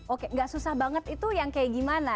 oke gak susah banget itu yang kayak gimana